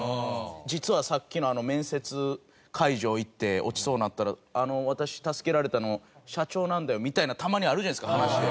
実はさっきの面接会場行って落ちそうになったら私助けられたの社長なんだよみたいなのたまにあるじゃないですか話で。